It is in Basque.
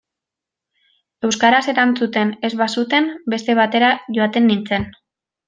Euskaraz erantzuten ez bazuten, beste batera joaten nintzen.